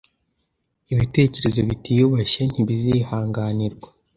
Ibitekerezo bitiyubashye ntibizihanganirwa.